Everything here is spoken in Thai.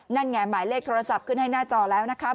นั่นไงหมายเลขโทรศัพท์ขึ้นให้หน้าจอแล้วนะคะ